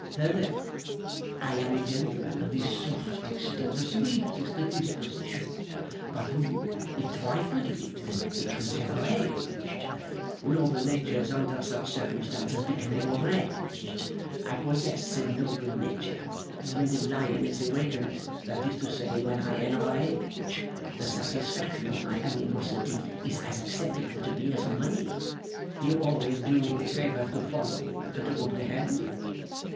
'Further, I am a gentleman of the softest and sweetest disposition, but who, if trifled with, becomes enraged. Noble natures under such circumstances become enraged. I possess a noble nature. When the lion is awakened that is to say, when I enrage the satisfaction of my animosity is as acceptable to me as money. You always do me the favour to follow, and to comprehend?